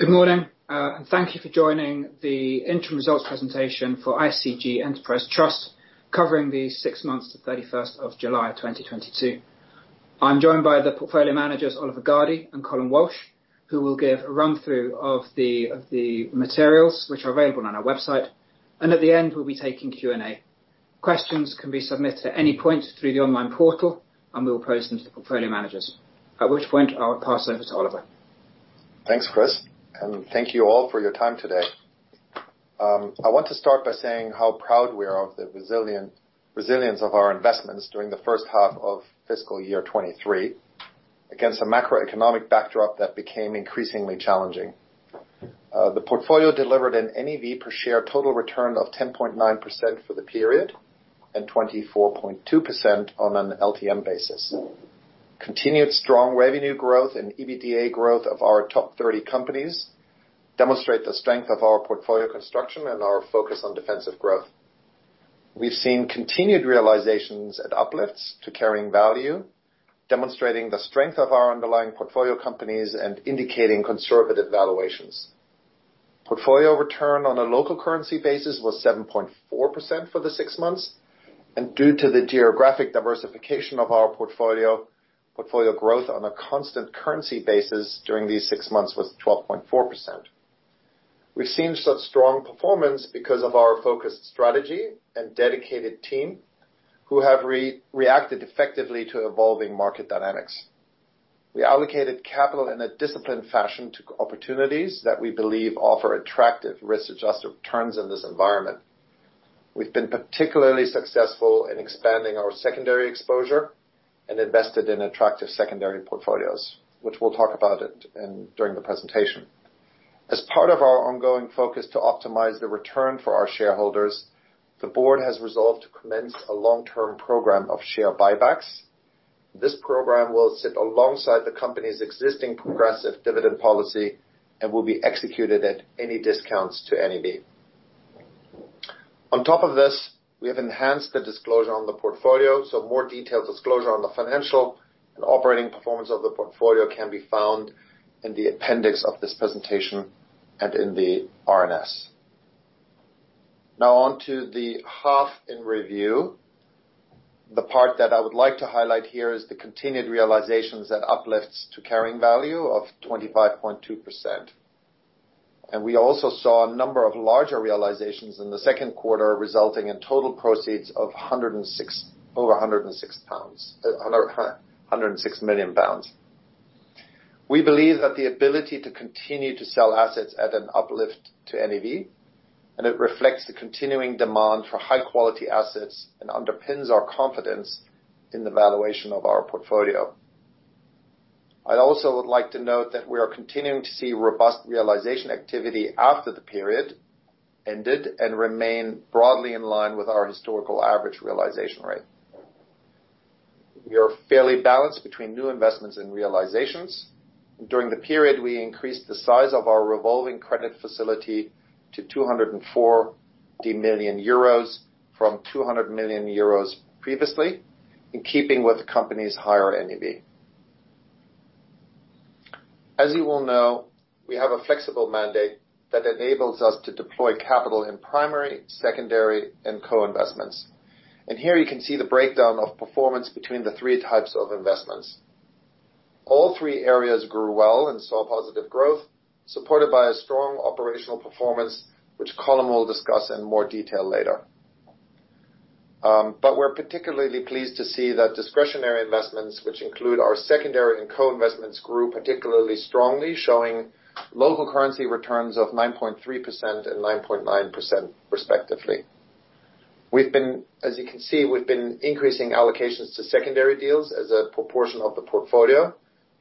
Good morning, and thank you for joining the interim results presentation for ICG Enterprise Trust, covering the six months to 31st of July 2022. I'm joined by Portfolio Managers Oliver Gardey and Colm Walsh, who will give a run-through of the materials which are available on our website. At the end, we'll be taking Q&A. Questions can be submitted at any point through the online portal, and we will pose them to the portfolio managers. At which point, I'll pass over to Oliver. Thanks, Chris, and thank you all for your time today. I want to start by saying how proud we are of the resilience of our investments during the first half of fiscal year 2023, against a macroeconomic backdrop that became increasingly challenging. The portfolio delivered an NAV per share total return of 10.9% for the period and 24.2% on an LTM basis. Continued strong revenue growth and EBITDA growth of our top 30 companies demonstrate the strength of our portfolio construction and our focus on defensive growth. We've seen continued realizations and uplifts to carrying value, demonstrating the strength of our underlying portfolio companies and indicating conservative valuations. Portfolio return on a local currency basis was 7.4% for the six months, due to the geographic diversification of our portfolio growth on a constant currency basis during these six months was 12.4%. We've seen such strong performance because of our focused strategy and dedicated team who have reacted effectively to evolving market dynamics. We allocated capital in a disciplined fashion to opportunities that we believe offer attractive risk-adjusted returns in this environment. We've been particularly successful in expanding our secondary exposure and invested in attractive secondary portfolios, which we'll talk about it during the presentation. As part of our ongoing focus to optimize the return for our shareholders, the board has resolved to commence a long-term program of share buybacks. This program will sit alongside the company's existing progressive dividend policy and will be executed at any discounts to NAV. On top of this, we have enhanced the disclosure on the portfolio, so more detailed disclosure on the financial and operating performance of the portfolio can be found in the appendix of this presentation and in the RNS. Now on to the half-year in review. The part that I would like to highlight here is the continued realizations that uplifts to carrying value of 25.2%. We also saw a number of larger realizations in the second quarter, resulting in total proceeds of over 106 million pounds. We believe that the ability to continue to sell assets at an uplift to NAV, and it reflects the continuing demand for high-quality assets and underpins our confidence in the valuation of our portfolio. I also would like to note that we are continuing to see robust realization activity after the period ended and remain broadly in line with our historical average realization rate. We are fairly balanced between new investments and realizations. During the period, we increased the size of our revolving credit facility to 240 million euros from 200 million euros previously, in keeping with the company's higher NAV. As you all know, we have a flexible mandate that enables us to deploy capital in primary, secondary, and co-investments. Here you can see the breakdown of performance between the three types of investments. All three areas grew well and saw positive growth, supported by a strong operational performance, which Colm will discuss in more detail later. We're particularly pleased to see that discretionary investments, which include our secondary and co-investments group, particularly strongly showing local currency returns of 9.3% and 9.9% respectively. As you can see, we've been increasing allocations to secondary deals as a proportion of the portfolio,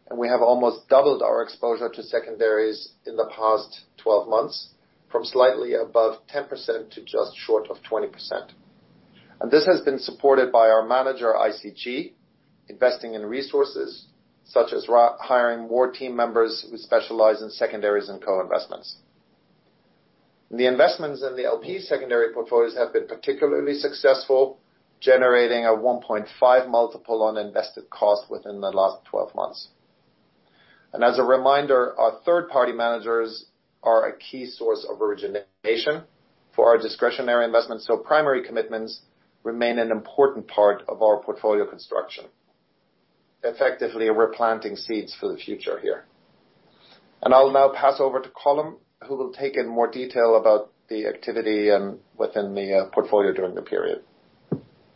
and we have almost doubled our exposure to secondaries in the past 12 months, from slightly above 10% to just short of 20%. This has been supported by our manager, ICG, investing in resources such as hiring more team members who specialize in secondaries and co-investments. The investments in the LP secondary portfolios have been particularly successful, generating a 1.5x multiple on invested cost within the last 12 months. As a reminder, our third-party managers are a key source of origination for our discretionary investments, so primary commitments remain an important part of our portfolio construction. Effectively, we're planting seeds for the future here. I'll now pass over to Colm, who will take in more detail about the activity within the portfolio during the period.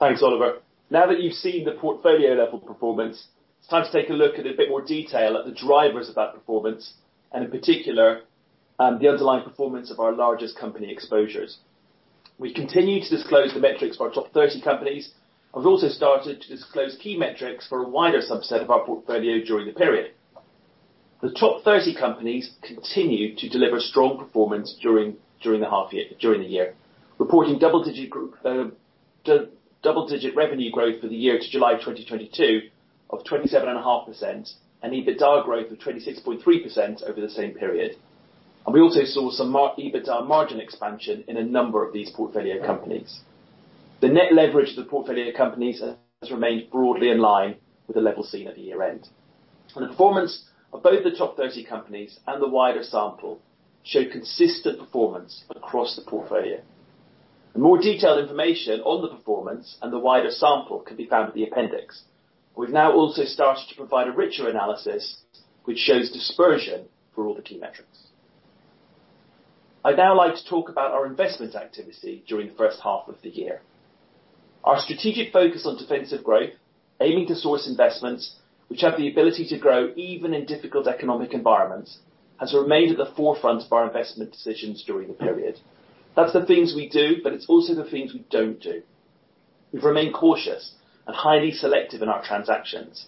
Thanks, Oliver. Now that you've seen the portfolio level performance, it's time to take a look at a bit more detail at the drivers of that performance, and in particular, the underlying performance of our largest company exposures. We continue to disclose the metrics for our top 30 companies, and we've also started to disclose key metrics for a wider subset of our portfolio during the period. The top 30 companies continued to deliver strong performance during the year, reporting double-digit revenue growth for the year to July 2022 of 27.5%, and EBITDA growth of 26.3% over the same period. We also saw some EBITDA margin expansion in a number of these portfolio companies. The net leverage of the portfolio companies has remained broadly in line with the level seen at the year-end. The performance of both the top thirty companies and the wider sample show consistent performance across the portfolio. The more detailed information on the performance and the wider sample can be found in the appendix. We've now also started to provide a richer analysis which shows dispersion for all the key metrics. I'd now like to talk about our investment activity during the first half of the year. Our strategic focus on defensive growth, aiming to source investments which have the ability to grow even in difficult economic environments, has remained at the forefront of our investment decisions during the period. That's the things we do, but it's also the things we don't do. We've remained cautious and highly selective in our transactions.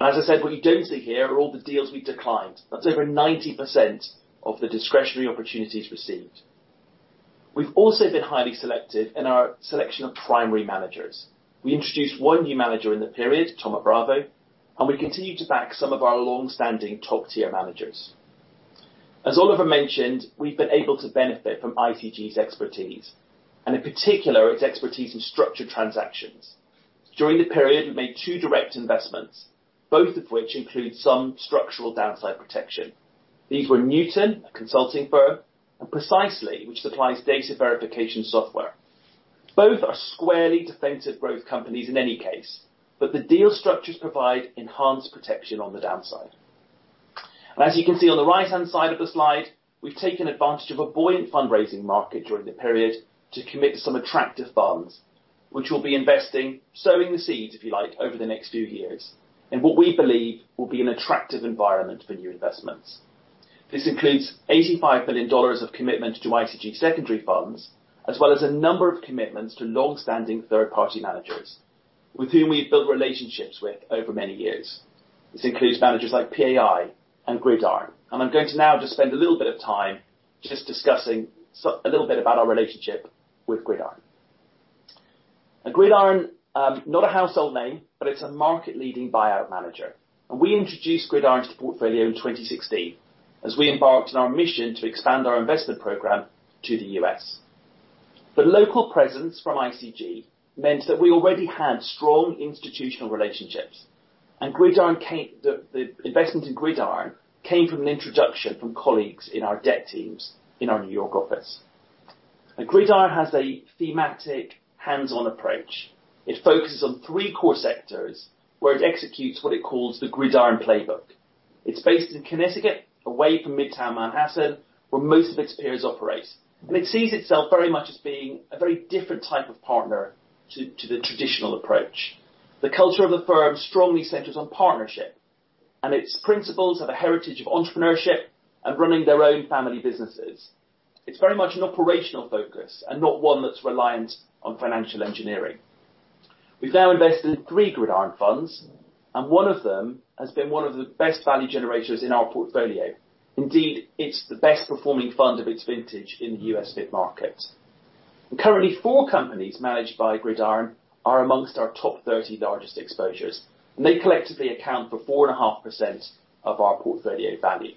As I said, what you don't see here are all the deals we declined. That's over 90% of the discretionary opportunities received. We've also been highly selective in our selection of primary managers. We introduced one new manager in the period, Thoma Bravo, and we continue to back some of our long-standing top-tier managers. As Oliver mentioned, we've been able to benefit from ICG's expertise, and in particular, its expertise in structured transactions. During the period, we made two direct investments, both of which include some structural downside protection. These were Newton, a consulting firm, and Precisely, which supplies data verification software. Both are squarely defensive growth companies in any case, but the deal structures provide enhanced protection on the downside. As you can see on the right-hand side of the slide, we've taken advantage of a buoyant fundraising market during the period to commit some attractive bonds, which we'll be investing, sowing the seeds, if you like, over the next few years, in what we believe will be an attractive environment for new investments. This includes $85 billion of commitment to ICG secondary funds, as well as a number of commitments to long-standing third-party managers with whom we've built relationships with over many years. This includes managers like PAI and Gridiron. I'm going to now just spend a little bit of time just discussing a little bit about our relationship with Gridiron. Now Gridiron, not a household name, but it's a market-leading buyout manager. We introduced Gridiron Capital to the portfolio in 2016 as we embarked on our mission to expand our investment program to the U.S. The local presence from ICG meant that we already had strong institutional relationships, and the investment in Gridiron Capital came from an introduction from colleagues in our debt teams in our New York office. Now Gridiron Capital has a thematic hands-on approach. It focuses on three core sectors where it executes what it calls the Gridiron Playbook. It's based in Connecticut, away from Midtown Manhattan, where most of its peers operate. It sees itself very much as being a very different type of partner to the traditional approach. The culture of the firm strongly centers on partnership, and its principals have a heritage of entrepreneurship and running their own family businesses. It's very much an operational focus and not one that's reliant on financial engineering. We've now invested in three Gridiron funds, and one of them has been 1 of the best value generators in our portfolio. Indeed, it's the best performing fund of its vintage in the U.S. mid-market. Currently, four companies managed by Gridiron are among our top 30 largest exposures. They collectively account for 4.5% of our portfolio value.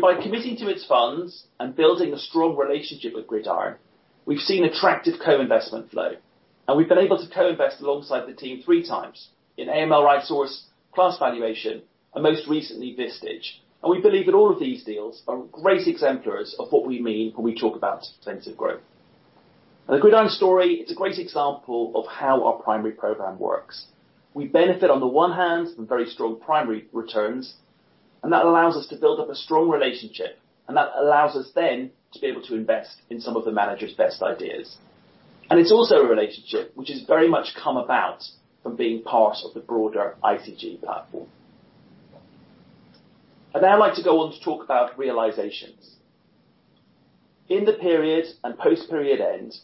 By committing to its funds and building a strong relationship with Gridiron, we've seen attractive co-investment flow, and we've been able to co-invest alongside the team three times in AML RightSource, Class Valuation, and most recently, Vistage. We believe that all of these deals are great exemplars of what we mean when we talk about defensive growth. The Gridiron story, it's a great example of how our primary program works. We benefit on the one hand from very strong primary returns, and that allows us to build up a strong relationship, and that allows us then to be able to invest in some of the manager's best ideas. It's also a relationship which has very much come about from being part of the broader ICG platform. I'd now like to go on to talk about realizations. In the period and post-period end,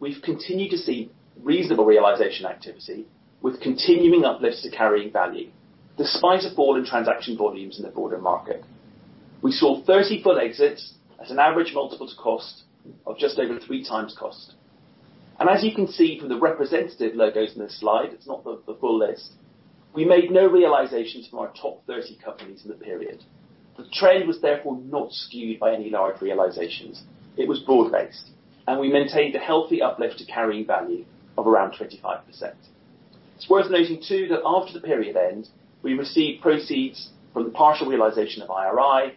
we've continued to see reasonable realization activity with continuing uplifts to carrying value, despite a fall in transaction volumes in the broader market. We saw 30 full exits as an average multiple to cost of just over 3x cost. As you can see from the representative logos in this slide, it's not the full list. We made no realizations from our top 30 companies in the period. The trend was therefore not skewed by any large realizations. It was broad-based, and we maintained a healthy uplift to carrying value of around 25%. It's worth noting too that after the period end, we received proceeds from the partial realization of IRI,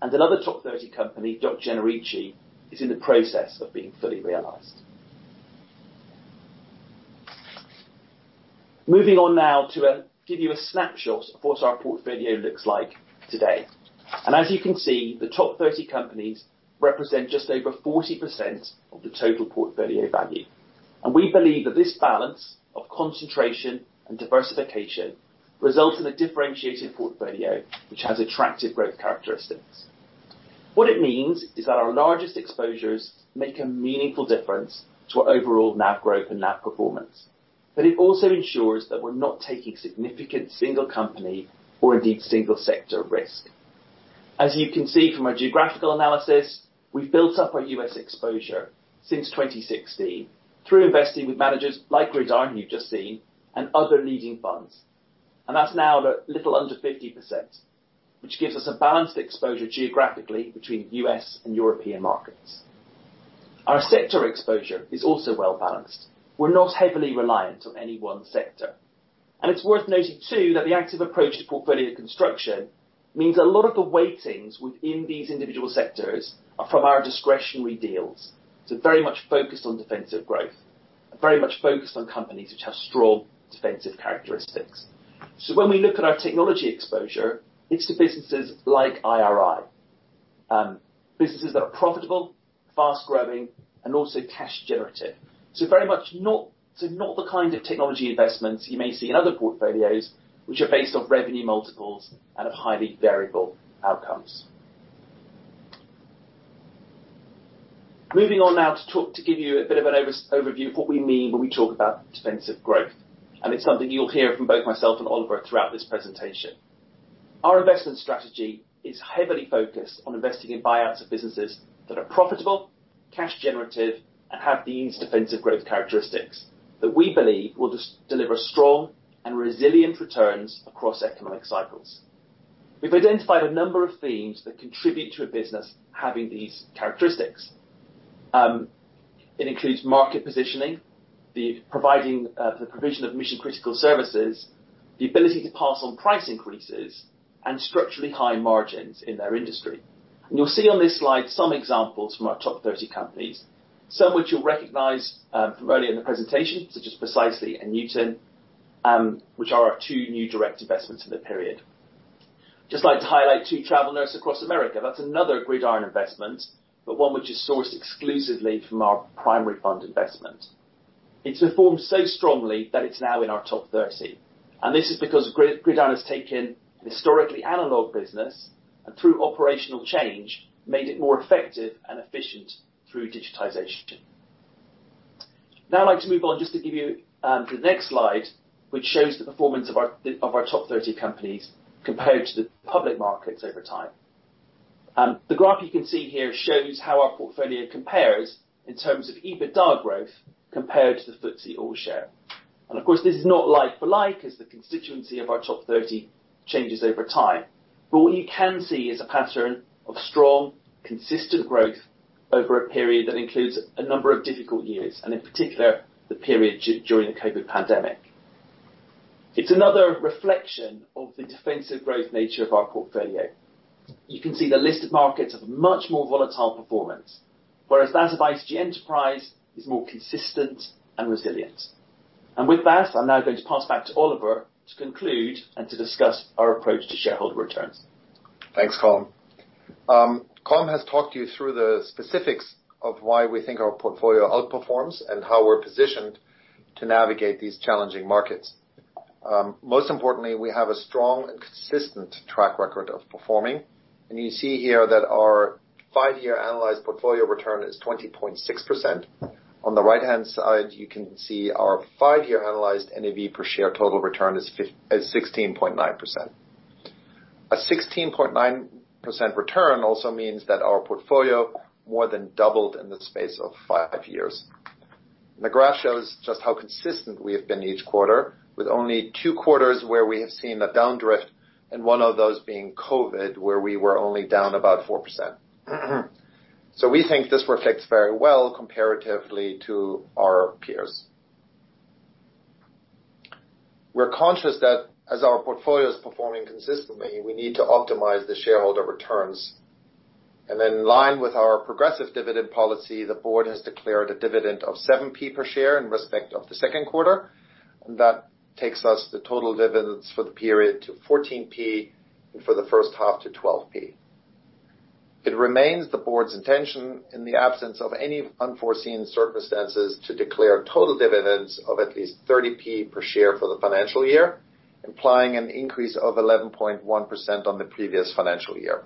and another top 30 company, DOC Generici, is in the process of being fully realized. Moving on now to give you a snapshot of what our portfolio looks like today. As you can see, the top 30 companies represent just over 40% of the total portfolio value. We believe that this balance of concentration and diversification results in a differentiated portfolio which has attractive growth characteristics. What it means is that our largest exposures make a meaningful difference to our overall NAV growth and NAV performance, but it also ensures that we're not taking significant single company or indeed single sector risk. As you can see from our geographical analysis, we've built up our U.S. exposure since 2016 through investing with managers like Gridiron you've just seen and other leading funds, and that's now at a little under 50%. Which gives us a balanced exposure geographically between U.S. and European markets. Our sector exposure is also well-balanced. We're not heavily reliant on any one sector. It's worth noting too that the active approach to portfolio construction means a lot of the weightings within these individual sectors are from our discretionary deals. Very much focused on defensive growth, and very much focused on companies which have strong defensive characteristics. When we look at our technology exposure, it's to businesses like IRI, businesses that are profitable, fast-growing, and also cash generative. Not the kind of technology investments you may see in other portfolios, which are based off revenue multiples and have highly variable outcomes. Moving on now to give you a bit of an overview of what we mean when we talk about defensive growth, and it's something you'll hear from both myself and Oliver throughout this presentation. Our investment strategy is heavily focused on investing in buyouts of businesses that are profitable, cash generative, and have these defensive growth characteristics that we believe will just deliver strong and resilient returns across economic cycles. We've identified a number of themes that contribute to a business having these characteristics. It includes market positioning, the provision of mission-critical services, the ability to pass on price increases, and structurally high margins in their industry. You'll see on this slide some examples from our top thirty companies, some which you'll recognize from earlier in the presentation, such as Precisely and Newton, which are our two new direct investments in the period. Just like to highlight too, Travel Nurse Across America, that's another Gridiron investment, but one which is sourced exclusively from our primary fund investment. It's performed so strongly that it's now in our top thirty, and this is because Gridiron has taken an historically analog business, and through operational change, made it more effective and efficient through digitization. Now I'd like to move on just to give you the next slide, which shows the performance of our top thirty companies compared to the public markets over time. The graph you can see here shows how our portfolio compares in terms of EBITDA growth compared to the FTSE All-Share. Of course, this is not like for like as the constituency of our top thirty changes over time. What you can see is a pattern of strong, consistent growth over a period that includes a number of difficult years, and in particular, the period during the COVID pandemic. It's another reflection of the defensive growth nature of our portfolio. You can see the listed markets have a much more volatile performance, whereas that of ICG Enterprise is more consistent and resilient. With that, I'm now going to pass back to Oliver to conclude and to discuss our approach to shareholder returns. Thanks, Colm. Colm has talked you through the specifics of why we think our portfolio outperforms and how we're positioned to navigate these challenging markets. Most importantly, we have a strong and consistent track record of performing. You see here that our five-year analyzed portfolio return is 20.6%. On the right-hand side, you can see our five-year analyzed NAV per share total return is 16.9%. A 16.9% return also means that our portfolio more than doubled in the space of five years. The graph shows just how consistent we have been each quarter, with only two quarters where we have seen a downdrift, and one of those being COVID, where we were only down about 4%. We think this reflects very well comparatively to our peers. We're conscious that as our portfolio is performing consistently, we need to optimize the shareholder returns. In line with our progressive dividend policy, the board has declared a dividend of 7p per share in respect of the second quarter. That takes to the total dividends for the period to 14p, and for the first half to 12p. It remains the board's intention in the absence of any unforeseen circumstances, to declare total dividends of at least 30p per share for the financial year, implying an increase of 11.1% on the previous financial year.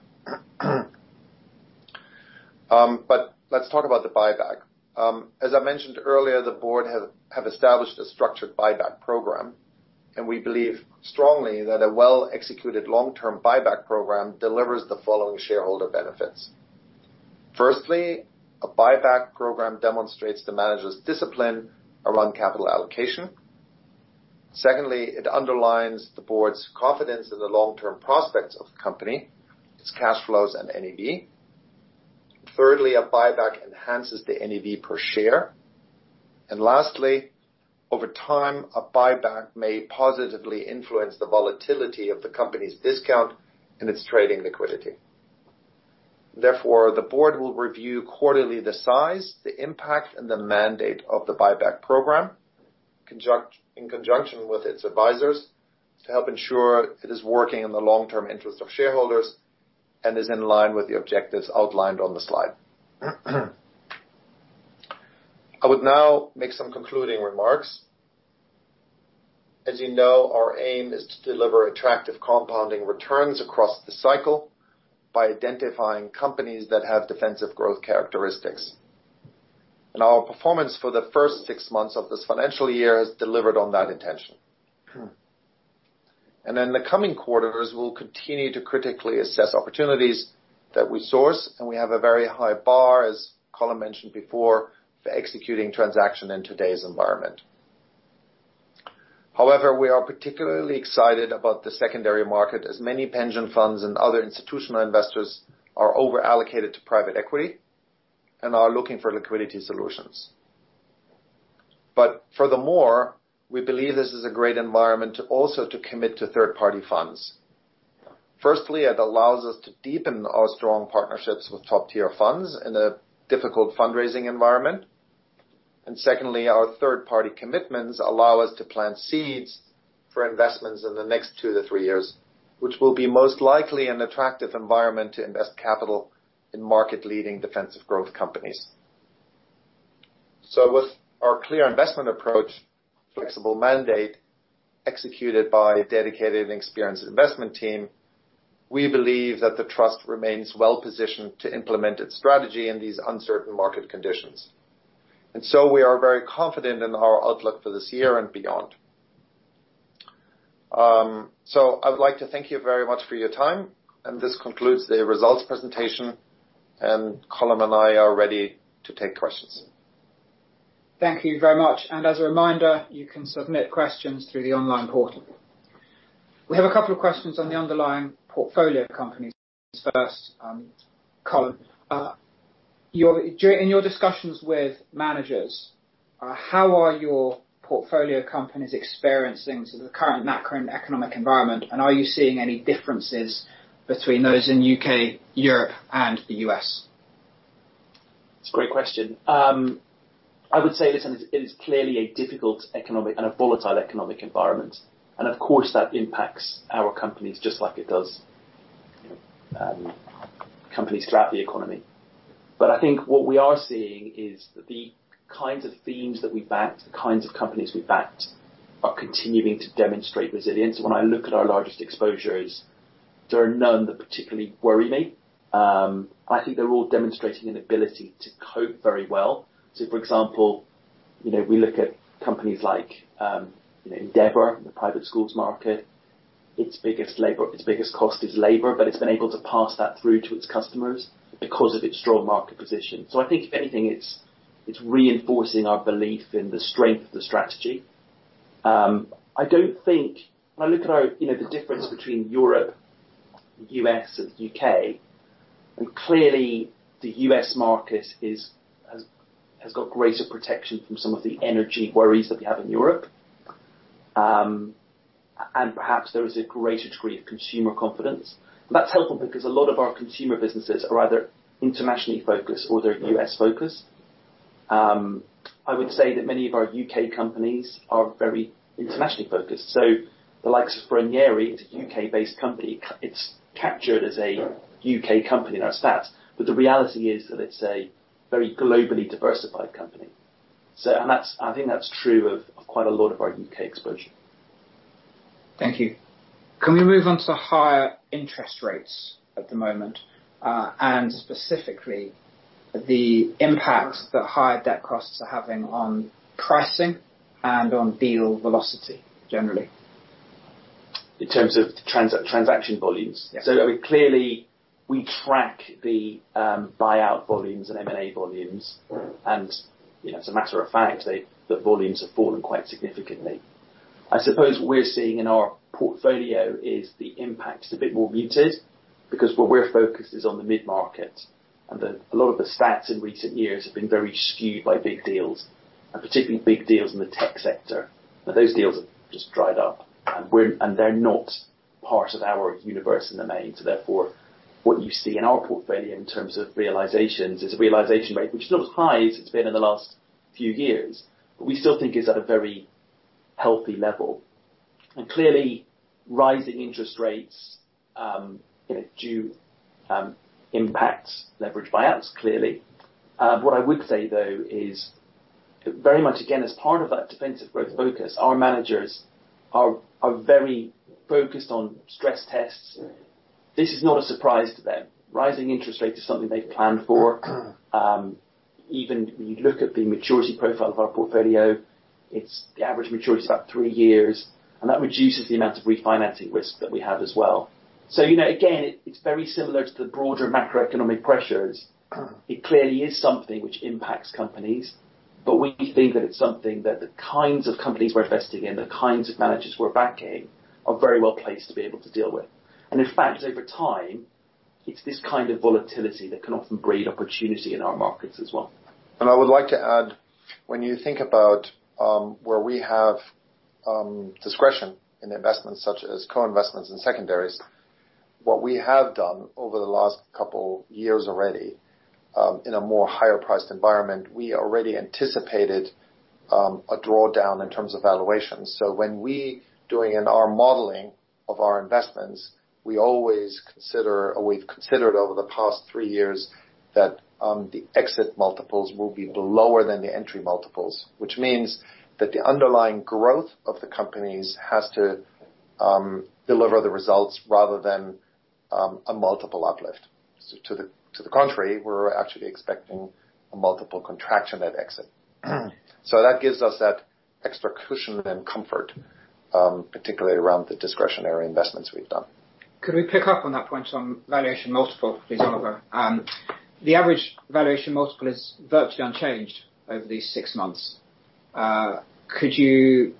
Let's talk about the buyback. As I mentioned earlier, the board have established a structured buyback program, and we believe strongly that a well-executed long-term buyback program delivers the following shareholder benefits. Firstly, a buyback program demonstrates the manager's discipline around capital allocation. Secondly, it underlines the board's confidence in the long-term prospects of the company, its cash flows, and NAV. Thirdly, a buyback enhances the NAV per share. Lastly, over time, a buyback may positively influence the volatility of the company's discount and its trading liquidity. Therefore, the board will review quarterly the size, the impact, and the mandate of the buyback program, in conjunction with its advisors, to help ensure it is working in the long-term interest of shareholders and is in line with the objectives outlined on the slide. I would now make some concluding remarks. As you know, our aim is to deliver attractive compounding returns across the cycle by identifying companies that have defensive growth characteristics. Our performance for the first six months of this financial year has delivered on that intention. In the coming quarters, we'll continue to critically assess opportunities that we source, and we have a very high bar, as Colm mentioned before, for executing transactions in today's environment. However, we are particularly excited about the secondary market as many pension funds and other institutional investors are over-allocated to private equity and are looking for liquidity solutions. Furthermore, we believe this is a great environment to also commit to third-party funds. Firstly, it allows us to deepen our strong partnerships with top-tier funds in a difficult fundraising environment. Secondly, our third-party commitments allow us to plant seeds for investments in the next two to three years, which will be most likely an attractive environment to invest capital in market-leading defensive growth companies. With our clear investment approach, flexible mandate executed by a dedicated and experienced investment team, we believe that the trust remains well-positioned to implement its strategy in these uncertain market conditions. We are very confident in our outlook for this year and beyond. I'd like to thank you very much for your time, and this concludes the results presentation. Colm and I are ready to take questions. Thank you very much. As a reminder, you can submit questions through the online portal. We have a couple of questions on the underlying portfolio companies. First, Colm, in your discussions with managers, how are your portfolio companies experiencing the current macro and economic environment, and are you seeing any differences between those in UK, Europe, and the US? It's a great question. I would say, listen, it is clearly a difficult economic and a volatile economic environment, and of course, that impacts our companies just like it does, companies throughout the economy. I think what we are seeing is the kinds of themes that we backed, the kinds of companies we backed are continuing to demonstrate resilience. When I look at our largest exposures, there are none that particularly worry me. I think they're all demonstrating an ability to cope very well. For example, you know, we look at companies like, Endeavor in the private schools market. Its biggest cost is labor, but it's been able to pass that through to its customers because of its strong market position. I think if anything, it's reinforcing our belief in the strength of the strategy. I don't think. When I look at our, you know, the difference between Europe, U.S., and the U.K., and clearly, the U.S. market has got greater protection from some of the energy worries that we have in Europe. Perhaps there is a greater degree of consumer confidence. That's helpful because a lot of our consumer businesses are either internationally focused or they're U.S.-focused. I would say that many of our U.K. companies are very internationally focused. The likes of Ranieri, it's a U.K.-based company. It's captured as a U.K. company in our stats, but the reality is that it's a very globally diversified company. I think that's true of quite a lot of our U.K. exposure. Thank you. Can we move on to higher interest rates at the moment, and specifically the impacts that higher debt costs are having on pricing and on deal velocity, generally? In terms of transaction volumes? Yes. I mean, clearly, we track the buyout volumes and M&A volumes. As a matter of fact, the volumes have fallen quite significantly. I suppose we're seeing in our portfolio is the impact is a bit more muted because what we're focused is on the mid-market, and a lot of the stats in recent years have been very skewed by big deals, and particularly big deals in the tech sector. Now those deals have just dried up, and they're not part of our universe in the main. Therefore, what you see in our portfolio in terms of realizations is a realization rate which is not as high as it's been in the last few years, but we still think is at a very healthy level. Clearly, rising interest rates do impact leverage buyouts, clearly. What I would say, though, is very much again as part of that defensive growth focus, our managers are very focused on stress tests. This is not a surprise to them. Rising interest rates is something they've planned for. Even when you look at the maturity profile of our portfolio, it's the average maturity is about three years, and that reduces the amount of refinancing risk that we have as well. You know, again, it's very similar to the broader macroeconomic pressures. It clearly is something which impacts companies, but we think that it's something that the kinds of companies we're investing in, the kinds of managers we're backing are very well placed to be able to deal with. In fact, over time, it's this kind of volatility that can often breed opportunity in our markets as well. I would like to add, when you think about where we have discretion in investments such as co-investments and secondaries, what we have done over the last couple years already in a more higher priced environment, we already anticipated a drawdown in terms of valuations. When we doing in our modeling of our investments, we always consider or we've considered over the past three years that the exit multiples will be lower than the entry multiples, which means that the underlying growth of the companies has to deliver the results rather than a multiple uplift. To the contrary, we're actually expecting a multiple contraction at exit. That gives us that extra cushion and comfort, particularly around the discretionary investments we've done. Could we pick up on that point on valuation multiple please, Oliver? The average valuation multiple is virtually unchanged over these six months. Could you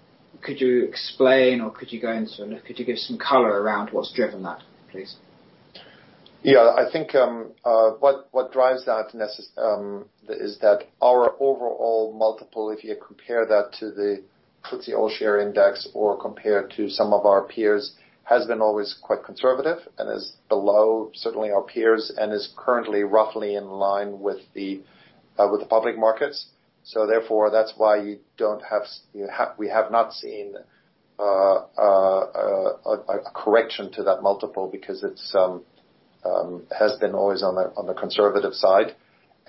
explain or give some color around what's driven that, please? Yeah. I think what drives that necessity is that our overall multiple, if you compare that to the FTSE All-Share Index or compare it to some of our peers, has been always quite conservative and is certainly below our peers and is currently roughly in line with the public markets. Therefore, that's why we have not seen a correction to that multiple because it has been always on the conservative side.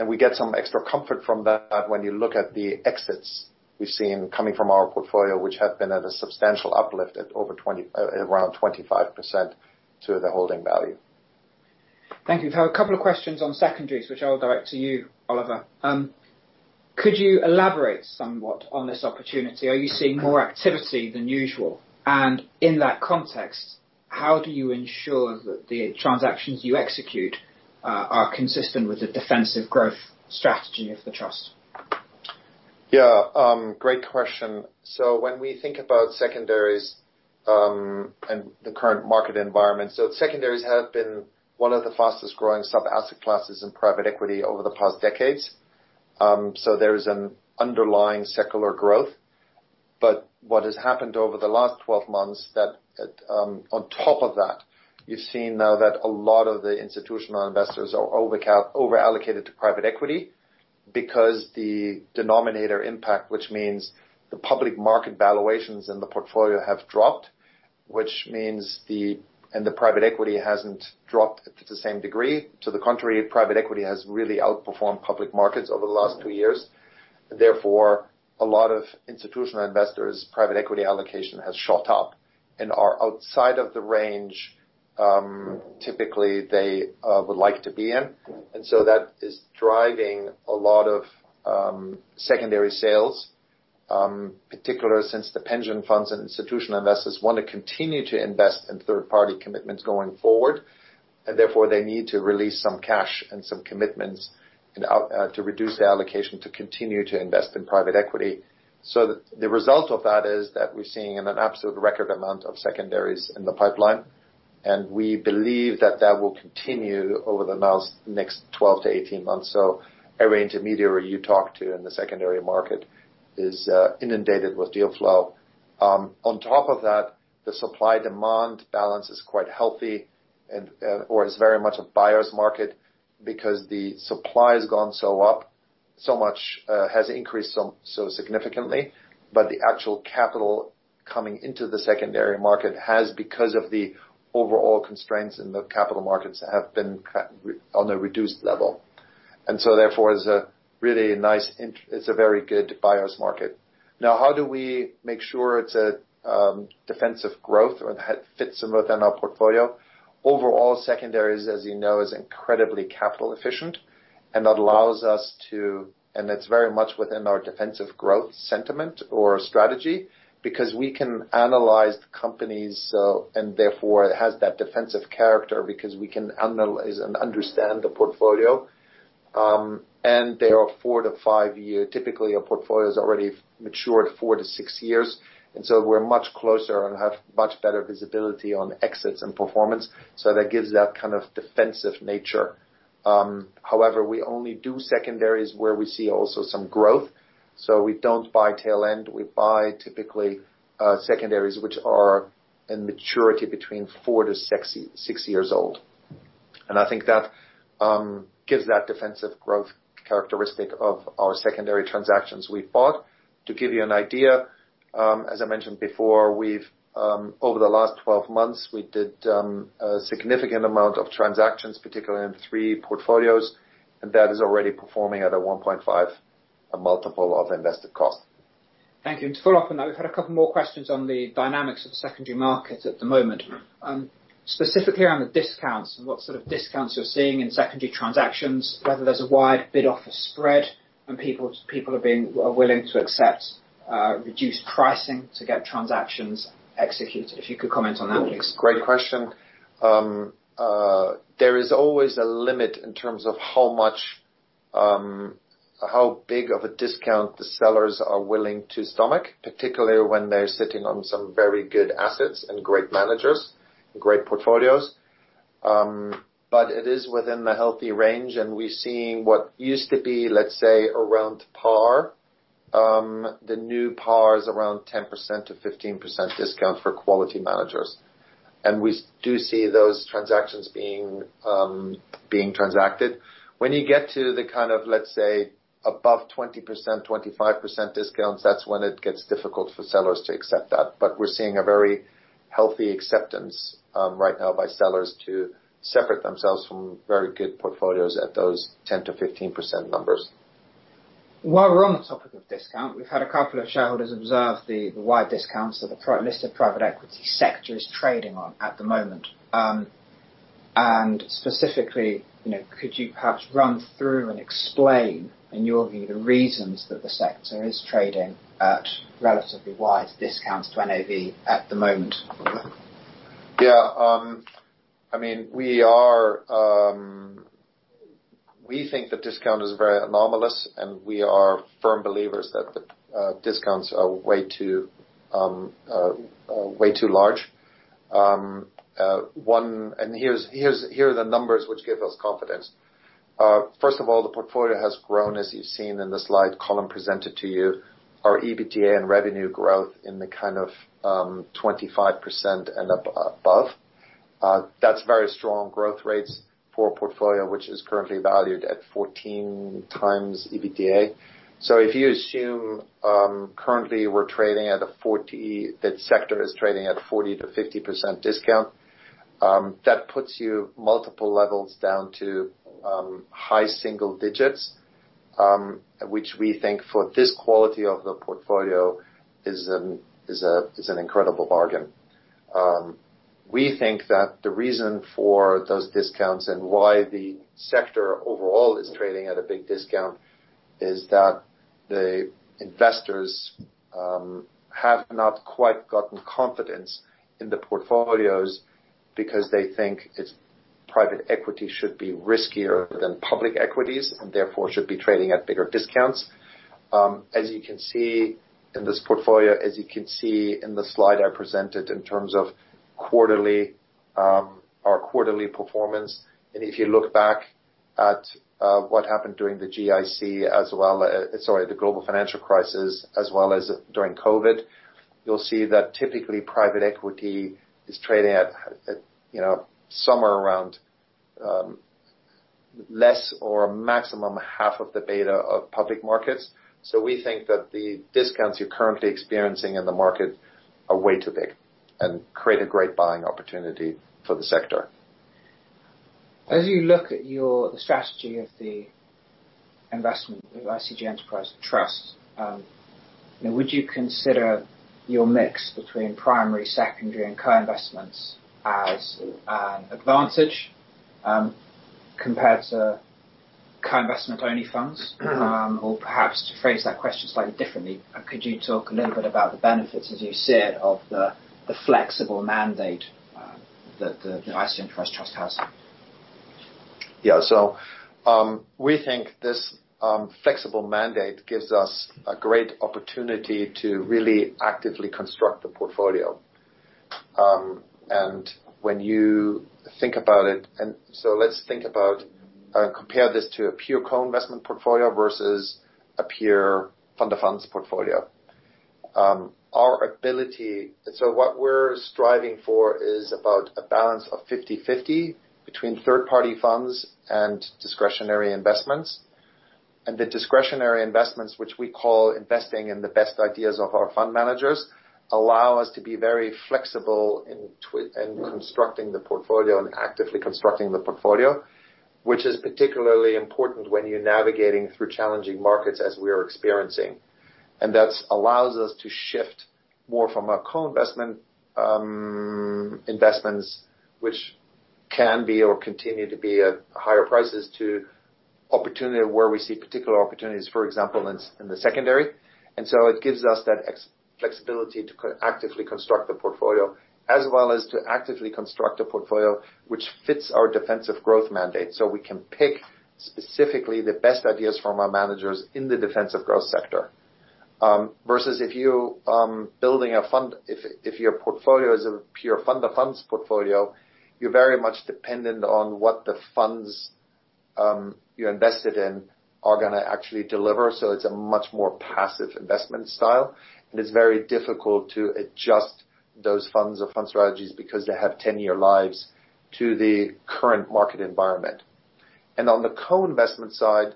We get some extra comfort from that when you look at the exits we've seen coming from our portfolio, which have been at a substantial uplift of around 25% to the holding value. Thank you. We've had a couple of questions on secondaries, which I'll direct to you, Oliver. Could you elaborate somewhat on this opportunity? Are you seeing more activity than usual? In that context, how do you ensure that the transactions you execute are consistent with the defensive growth strategy of the trust? Yeah, great question. When we think about secondaries, and the current market environment, secondaries have been one of the fastest-growing sub-asset classes in private equity over the past decades. There's an underlying secular growth. What has happened over the last 12 months that, on top of that, you've seen now that a lot of the institutional investors are over-allocated to private equity because the denominator effect, which means the public market valuations in the portfolio have dropped, and the private equity hasn't dropped to the same degree. To the contrary, private equity has really outperformed public markets over the last two years. Therefore, a lot of institutional investors' private equity allocation has shot up and are outside of the range, typically they would like to be in. That is driving a lot of secondary sales, particularly since the pension funds and institutional investors wanna continue to invest in third-party commitments going forward, and therefore they need to release some cash and some commitments to reduce the allocation to continue to invest in private equity. The result of that is that we're seeing an absolute record amount of secondaries in the pipeline, and we believe that that will continue over the next 12-18 months. Every intermediary you talk to in the secondary market is inundated with deal flow. On top of that, the supply-demand balance is quite healthy and or is very much a buyer's market because the supply has increased so significantly. The actual capital coming into the secondary market has, because of the overall constraints in the capital markets, have been on a reduced level. Therefore it's a very good buyer's market. Now how do we make sure it's a defensive growth or that fits within our portfolio? Overall, secondaries, as you know, is incredibly capital efficient and that allows us to. It's very much within our defensive growth sentiment or strategy because we can analyze the companies, and therefore it has that defensive character because we can analyze and understand the portfolio. They are 4-5 year. Typically, our portfolio is already matured 4-6 years, and so we're much closer and have much better visibility on exits and performance. That gives that kind of defensive nature. However, we only do secondaries where we see also some growth, so we don't buy tail end. We buy typically secondaries which are in maturity between 4-6 years old. I think that gives that defensive growth characteristic of our secondary transactions we've bought. To give you an idea, as I mentioned before, we've over the last 12 months, we did a significant amount of transactions, particularly in three portfolios, and that is already performing at a 1.5 multiple of invested cost. Thank you. To follow up on that, we've had a couple more questions on the dynamics of the secondary market at the moment. Specifically around the discounts and what sort of discounts you're seeing in secondary transactions, whether there's a wide bid-offer spread and people are willing to accept reduced pricing to get transactions executed. If you could comment on that, please. Great question. There is always a limit in terms of how much, how big of a discount the sellers are willing to stomach, particularly when they're sitting on some very good assets and great managers and great portfolios. It is within the healthy range, and we're seeing what used to be, let's say, around par. The new par is around 10%-15% discount for quality managers. We do see those transactions being transacted. When you get to the kind of, let's say, above 20%, 25% discounts, that's when it gets difficult for sellers to accept that. We're seeing a very healthy acceptance, right now by sellers to separate themselves from very good portfolios at those 10%-15% numbers. While we're on the topic of discount, we've had a couple of shareholders observe the wide discounts that the listed private equity sector is trading at the moment. Specifically, you know, could you perhaps run through and explain, in your view, the reasons that the sector is trading at relatively wide discounts to NAV at the moment? Yeah. I mean, we think the discount is very anomalous, and we are firm believers that the discounts are way too large. Here are the numbers which give us confidence. First of all, the portfolio has grown, as you've seen in the slide Colm presented to you. Our EBITDA and revenue growth in the kind of 25% and above. That's very strong growth rates for a portfolio which is currently valued at 14x EBITDA. If you assume the sector is trading at 40%-50% discount, that puts our multiple down to high single digits, which we think for this quality of the portfolio is an incredible bargain. We think that the reason for those discounts and why the sector overall is trading at a big discount is that the investors have not quite gotten confidence in the portfolios because they think it's private equity should be riskier than public equities and therefore should be trading at bigger discounts. As you can see in the slide I presented in terms of our quarterly performance, and if you look back at what happened during the GFC as well, sorry, the global financial crisis, as well as during COVID, you'll see that typically private equity is trading at, you know, somewhere around less or maximum half of the beta of public markets. We think that the discounts you're currently experiencing in the market are way too big and create a great buying opportunity for the sector. As you look at your strategy of the investment with ICG Enterprise Trust, would you consider your mix between primary, secondary, and co-investments as an advantage, compared to co-investment only funds? Mm-hmm. Perhaps to phrase that question slightly differently, could you talk a little bit about the benefits as you see it of the flexible mandate that the ICG Enterprise Trust has? Yeah. We think this flexible mandate gives us a great opportunity to really actively construct the portfolio. When you think about it, let's compare this to a pure co-investment portfolio versus a pure fund of funds portfolio. What we're striving for is about a balance of 50/50 between third-party funds and discretionary investments. The discretionary investments, which we call investing in the best ideas of our fund managers, allow us to be very flexible in constructing the portfolio and actively constructing the portfolio, which is particularly important when you're navigating through challenging markets as we are experiencing. That allows us to shift more from co-investment investments which can be or continue to be at higher prices to opportunities where we see particular opportunities, for example, in the secondary. It gives us that extra flexibility to co-actively construct the portfolio, as well as to actively construct a portfolio which fits our defensive growth mandate. We can pick specifically the best ideas from our managers in the defensive growth sector. Versus if you're building a fund, if your portfolio is a pure fund of funds portfolio, you're very much dependent on what the funds you invested in are gonna actually deliver, so it's a much more passive investment style, and it's very difficult to adjust those funds or fund strategies because they have ten-year lives to the current market environment. On the co-investment side,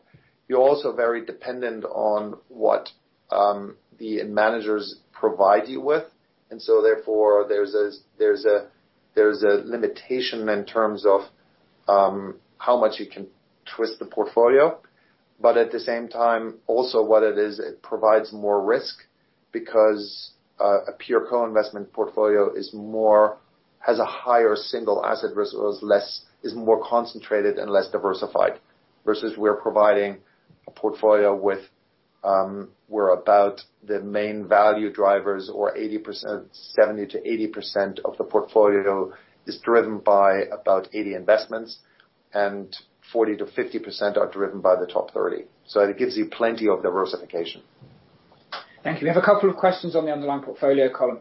you're also very dependent on what the managers provide you with. Therefore, there's a limitation in terms of how much you can twist the portfolio. At the same time, also what it is, it provides more risk because a pure co-investment portfolio has a higher single asset risk or is more concentrated and less diversified. Versus we're providing a portfolio with, we're about the main value drivers or 80%, 70%-80% of the portfolio is driven by about 80 investments and 40%-50% are driven by the top 30. It gives you plenty of diversification. Thank you. We have a couple of questions on the underlying portfolio column.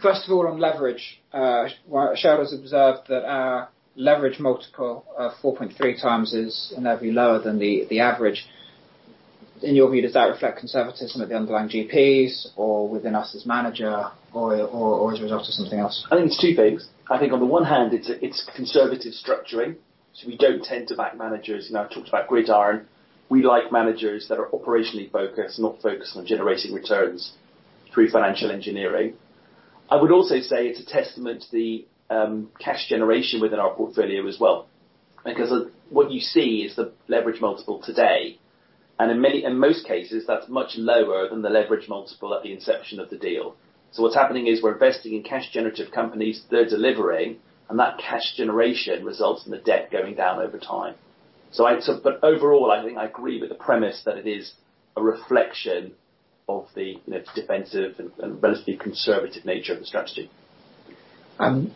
First of all, on leverage, one of shareholders observed that our leverage multiple of 4.3x is inevitably lower than the average. In your view, does that reflect conservatism at the underlying GPs or within us as manager or as a result of something else? I think it's two things. I think on the one hand, it's conservative structuring. We don't tend to back managers, you know, I talked about Gridiron. We like managers that are operationally focused, not focused on generating returns through financial engineering. I would also say it's a testament to the cash generation within our portfolio as well. Because what you see is the leverage multiple today. In most cases, that's much lower than the leverage multiple at the inception of the deal. What's happening is we're investing in cash-generative companies, they're delivering, and that cash generation results in the debt going down over time. Overall, I think I agree with the premise that it is a reflection of the, you know, defensive and relatively conservative nature of the strategy. Can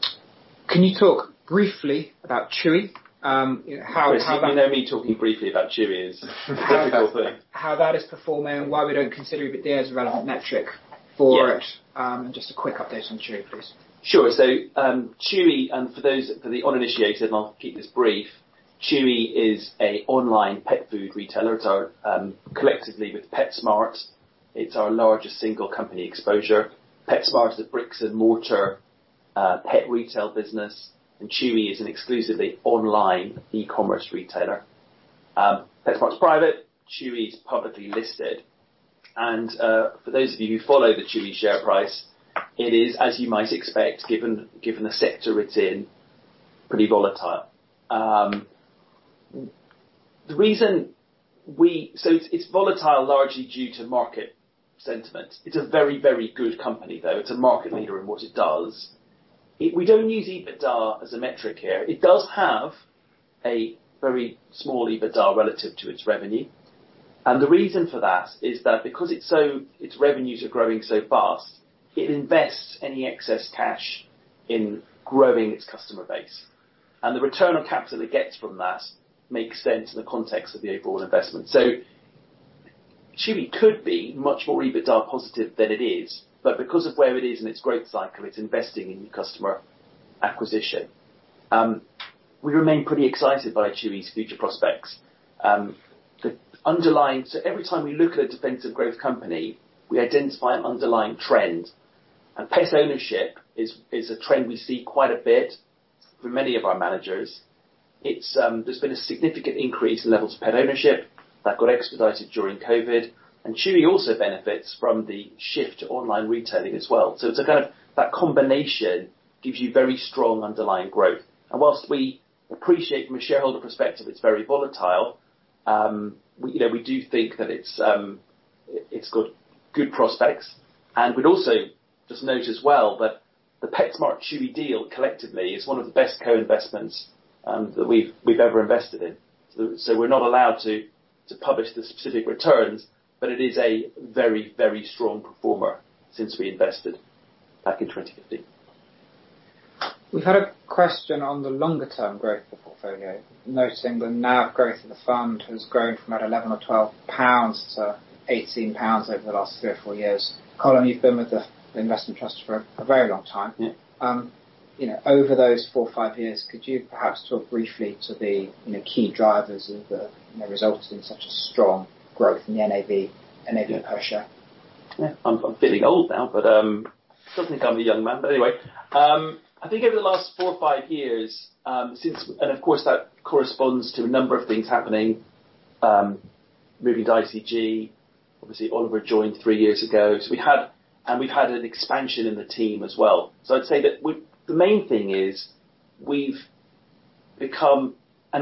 you talk briefly about Chewy? How that- Chris, you know me talking briefly about Chewy is a difficult thing. How that is performing and why we don't consider EBITDA as a relevant metric for it. Yeah. Just a quick update on Chewy, please. Sure. Chewy, for the uninitiated, and I'll keep this brief, Chewy is an online pet food retailer. It's our collectively with PetSmart, it's our largest single company exposure. PetSmart is a bricks and mortar pet retail business, and Chewy is an exclusively online e-commerce retailer. PetSmart's private, Chewy's publicly listed. For those of you who follow the Chewy share price, it is as you might expect, given the sector it's in, pretty volatile. It's volatile largely due to market sentiment. It's a very good company though. It's a market leader in what it does. We don't use EBITDA as a metric here. It does have a very small EBITDA relative to its revenue. The reason for that is that because it's so its revenues are growing so fast, it invests any excess cash in growing its customer base. The return on capital it gets from that makes sense in the context of the overall investment. Chewy could be much more EBITDA positive than it is, but because of where it is in its growth cycle, it's investing in new customer acquisition. We remain pretty excited by Chewy's future prospects. The underlying. Every time we look at a defensive growth company, we identify an underlying trend, and pet ownership is a trend we see quite a bit for many of our managers. It's. There's been a significant increase in levels of pet ownership that got expedited during COVID, and Chewy also benefits from the shift to online retailing as well. It's a kind of. That combination gives you very strong underlying growth. While we appreciate from a shareholder perspective it's very volatile, you know, we do think that it's got good prospects. We'd also just note as well that the PetSmart Chewy deal collectively is one of the best co-investments that we've ever invested in. We're not allowed to publish the specific returns, but it is a very, very strong performer since we invested back in 2015. We've had a question on the longer term growth of the portfolio, noting the NAV growth of the fund has grown from about 11 or 12 pounds to 18 pounds over the last three or four years. Colm, you've been with the investment trust for a very long time. Yeah. You know, over those four or five years, could you perhaps talk briefly about the, you know, key drivers of the, you know, results in such a strong growth in the NAV per share? Yeah. I'm feeling old now, but still think I'm a young man. But anyway, I think over the last four or five years, since. Of course that corresponds to a number of things happening, moving to ICG. Obviously Oliver joined three years ago. We've had an expansion in the team as well. I'd say that. The main thing is we've become.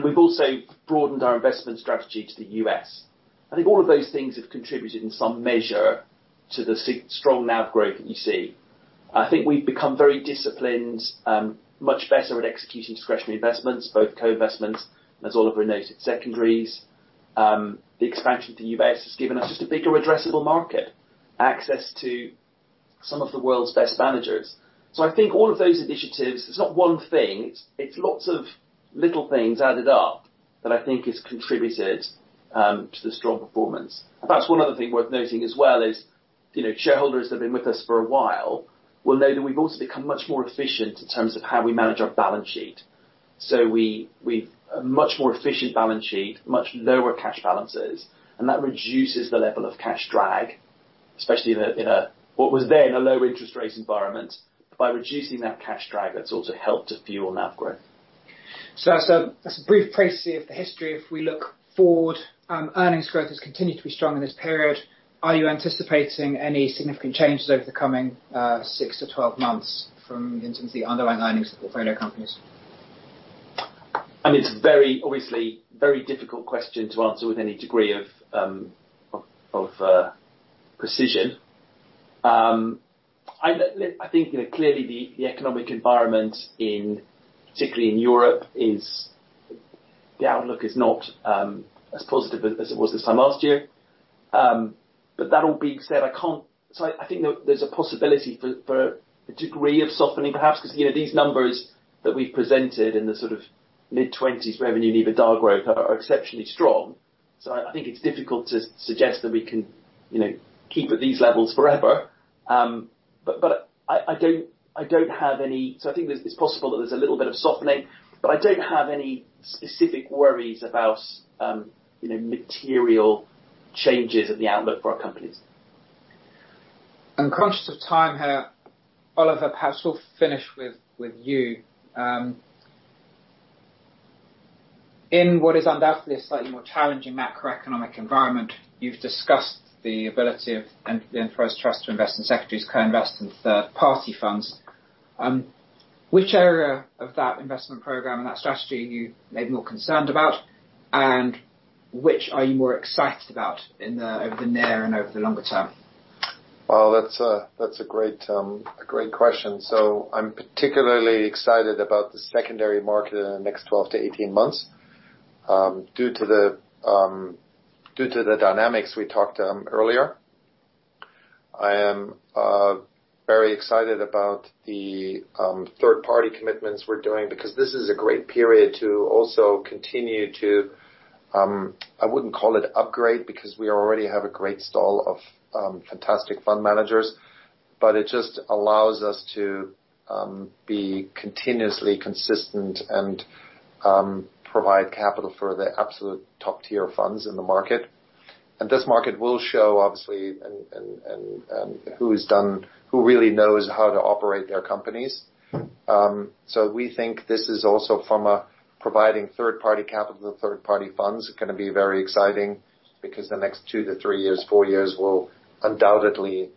We've also broadened our investment strategy to the U.S. I think all of those things have contributed in some measure to the strong NAV growth that you see. I think we've become very disciplined, much better at executing discretionary investments, both co-investments, and as Oliver noted, secondaries. The expansion to the U.S. has given us just a bigger addressable market, access to some of the world's best managers. I think all of those initiatives, it's not one thing, it's lots of little things added up that I think has contributed to the strong performance. Perhaps one other thing worth noting as well is, you know, shareholders that have been with us for a while will know that we've also become much more efficient in terms of how we manage our balance sheet. We've a much more efficient balance sheet, much lower cash balances, and that reduces the level of cash drag, especially in a what was then a low interest rate environment. By reducing that cash drag, that's also helped to fuel NAV growth. That's a brief précis of the history. If we look forward, earnings growth has continued to be strong in this period. Are you anticipating any significant changes over the coming 6-12 months in terms of the underlying earnings of the portfolio companies? I mean, it's very obviously very difficult question to answer with any degree of precision. I think clearly the economic environment, particularly in Europe, is not as positive as it was this time last year. That all being said, I think there's a possibility for a degree of softening perhaps because these numbers that we've presented in the sort of mid-20s% revenue and EBITDA growth are exceptionally strong. I think it's difficult to suggest that we can keep at these levels forever. I don't have any... I think it's possible that there's a little bit of softening, but I don't have any specific worries about, you know, material changes in the outlook for our companies. I'm conscious of time here. Oliver, perhaps we'll finish with you. In what is undoubtedly a slightly more challenging macroeconomic environment, you've discussed the ability of the Enterprise Trust to invest in secondaries, co-invest in third party funds. Which area of that investment program and that strategy are you maybe more concerned about, and which are you more excited about over the near and over the longer term? That's a great question. I'm particularly excited about the secondary market in the next 12-18 months due to the dynamics we talked earlier. I am very excited about the third-party commitments we're doing because this is a great period to also continue to. I wouldn't call it upgrade because we already have a great stable of fantastic fund managers, but it just allows us to be continuously consistent and provide capital for the absolute top-tier funds in the market. This market will show obviously who really knows how to operate their companies. We think this is also from providing third-party capital to third-party funds gonna be very exciting because the next 2-3 years, four years will undoubtedly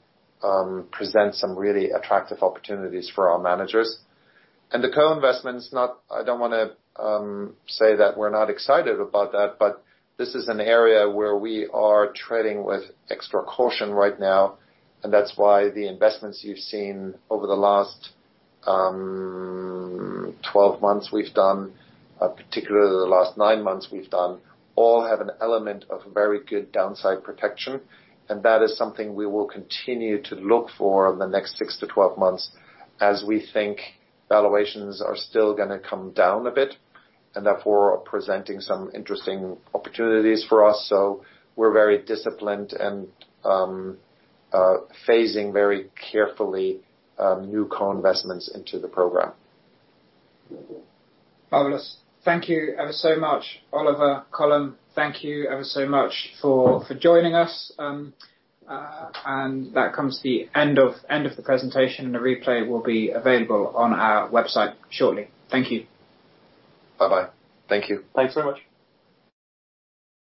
present some really attractive opportunities for our managers. The co-investments I don't wanna say that we're not excited about that, but this is an area where we are treading with extra caution right now, and that's why the investments you've seen over the last 12 months we've done, particularly the last nine months we've done, all have an element of very good downside protection. That is something we will continue to look for in the next 6-12 months as we think valuations are still gonna come down a bit, and therefore are presenting some interesting opportunities for us. We're very disciplined and phasing very carefully new co-investments into the program. Marvelous. Thank you ever so much, Oliver Colm. Thank you ever so much for joining us. That comes to the end of the presentation. The replay will be available on our website shortly. Thank you. Bye-bye. Thank you. Thanks very much.